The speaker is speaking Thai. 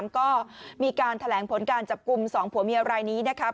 ก็มีการแถลงผลการจับกลุ่ม๒ผัวเมียรายนี้นะครับ